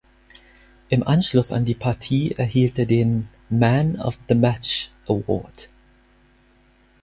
Im Anschluss an die Partie erhielt er den "Man of the Match" Award.